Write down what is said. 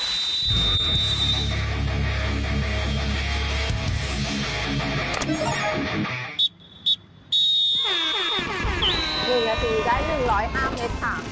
๑นาทีได้๑๐๕เมตรค่ะ